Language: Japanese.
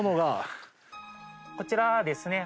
こちらはですね